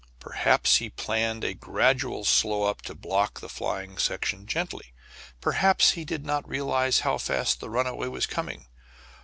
Perhaps he planned a gradual slow up to block the flying section gently; perhaps he did not realize how fast the runaway was coming.